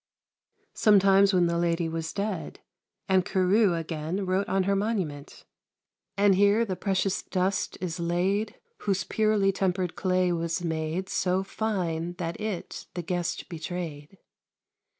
Sometimes when the lady was dead, and Carew, again, wrote on her monument And here the precious dust is laid, Whose purely tempered clay was made So fine that it the guest betrayed.